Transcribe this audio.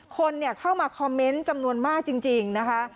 คนเข้ามาคอมเมนต์จำนวนมากจริงนะคะ